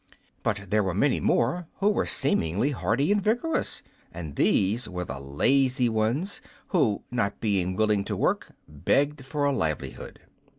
But there were many more who were seemingly hearty and vigorous; and these were the lazy ones, who, not being willing to work, begged for a livelihood.